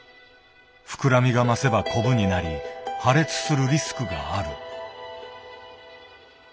膨らみが増せばこぶになり破裂するリスクがある。